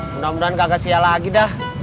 mudah mudahan kagak sia lagi dah